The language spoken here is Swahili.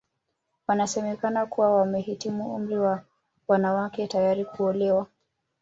Wanasemekana kuwa wamehitimu umri wa wanawake tayari kuolewa